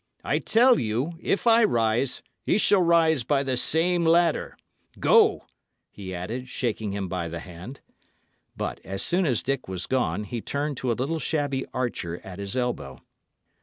I tell you, if I rise, ye shall rise by the same ladder. Go," he added, shaking him by the hand. But, as soon as Dick was gone, he turned to a little shabby archer at his elbow.